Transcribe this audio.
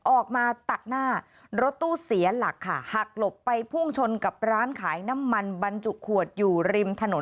ออกมาตัดหน้ารถตู้เสียหลักค่ะหักหลบไปพุ่งชนกับร้านขายน้ำมันบรรจุขวดอยู่ริมถนน